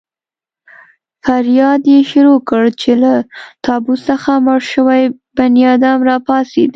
فریاد يې شروع کړ چې له تابوت څخه مړ شوی بنیادم را پاڅېدلی.